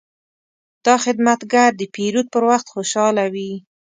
دا خدمتګر د پیرود پر وخت خوشحاله وي.